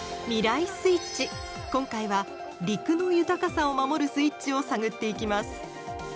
今回は「陸の豊かさを守るスイッチ」を探っていきます。